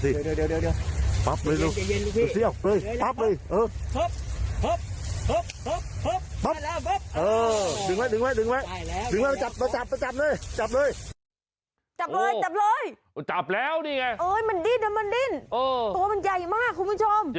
อีกนิดหนึ่งเท่านั้นห่วงนิวไทยก็ไม่รู้